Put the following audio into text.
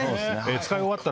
使い終わった。